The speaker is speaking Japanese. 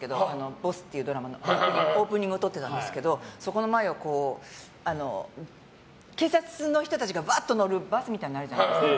「ＢＯＳＳ」っていうドラマのオープニングを撮ってたんですけどそこの前を、警察の人たちが乗るバスみたいなのがあるじゃないですか。